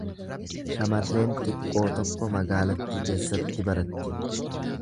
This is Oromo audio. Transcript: Shamarreen xiqqoo tokko magaalattii keessatti baratti.